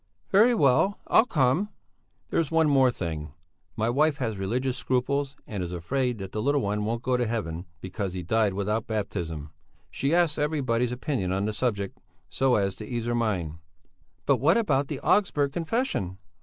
"Very well, I'll come." "There's one more thing. My wife has religious scruples and is afraid that the little one won't go to heaven because he died without baptism. She asks everybody's opinion on the subject, so as to ease her mind." "But what about the Augsburg Confession?"